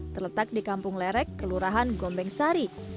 terletak di kampung lerek kelurahan gombeng sari